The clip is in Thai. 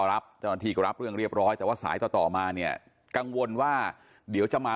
รับเจ้าหน้าที่ก็รับเรื่องเรียบร้อยแต่ว่าสายต่อต่อมาเนี่ยกังวลว่าเดี๋ยวจะมา